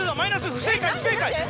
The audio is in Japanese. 不正解不正解です！